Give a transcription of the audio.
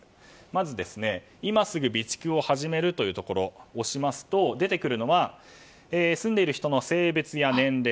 まず「今すぐ備蓄を始める！」というところを押すと出てくるのが住んでいる人の性別や年齢。